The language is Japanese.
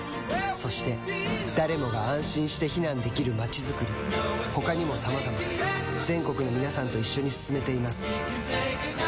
そして誰もが安心して避難できる街づくり他にもさまざま全国の皆さんと一緒に進めています